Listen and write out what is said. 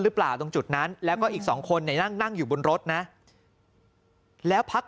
หรือเปล่าตรงจุดนั้นแล้วก็อีกสองคนเนี่ยนั่งอยู่บนรถนะแล้วพัก